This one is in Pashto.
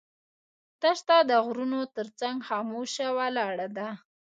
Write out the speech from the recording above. دښته د غرونو تر څنګ خاموشه ولاړه ده.